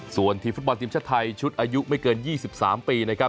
ส่วนทีมฟุตบอลทีมชาติไทยชุดอายุไม่เกิน๒๓ปีนะครับ